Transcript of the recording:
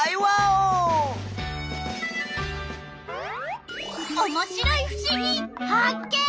おもしろいふしぎ発見！